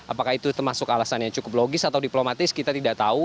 apakah itu termasuk alasan yang cukup logis atau diplomatis kita tidak tahu